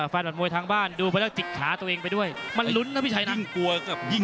แฟนบัตรมวยทางบ้านดูไปแล้วจิกขาตัวเองไปด้วย